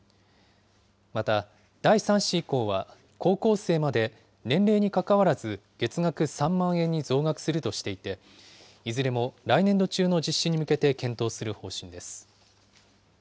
また、第３子以降は高校生まで年齢にかかわらず月額３万円に増額するとしていて、いずれも来年度中の実施に向けて検討する方針です。